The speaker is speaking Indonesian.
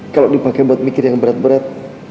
kalau dipakai buat mikir yang berat berat